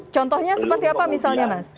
contohnya seperti apa misalnya mas